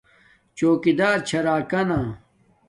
چوکیدار چھا راکانا